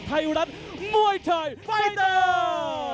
ไทยรัฐมวยไทยไฟเตอร์